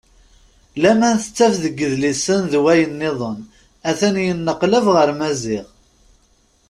Laman tettaf deg yidlisen d wayen-nniḍen a-t-an yenneqlab ɣur Maziɣ.